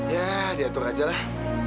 ya diatur aja lah